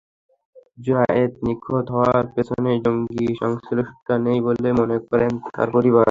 জুনায়েদ নিখোঁজ হওয়ার পেছনে জঙ্গি-সংশ্লিষ্টতা নেই বলে মনে করে তাঁর পরিবার।